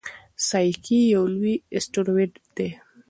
سایکي یو لوی اسټروېډ دی.